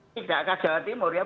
tidak ke jawa timur ya